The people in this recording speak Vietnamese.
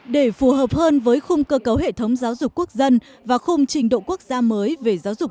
để phù hợp hơn với khung cơ cấu hệ thống giáo dục quốc dân và khung trình độ quốc gia mới về giáo dục